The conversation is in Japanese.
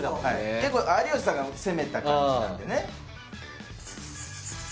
結構有吉さんが攻めた感じなんでね